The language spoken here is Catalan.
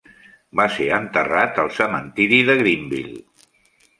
Va ser enterrat al cementiri de Greenville.